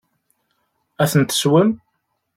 Ad ten-twansem?